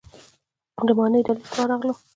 د ماڼۍ دهلیز ته ورغلو.